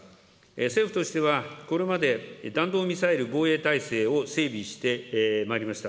政府としては、これまで弾道ミサイル防衛体制を整備してまいりました。